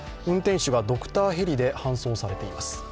運転手がドクターヘリで搬送されています。